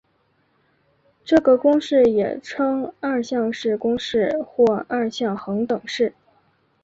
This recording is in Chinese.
这个公式也称二项式公式或二项恒等式。